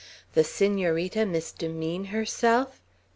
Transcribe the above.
The Senorita misdemean herself!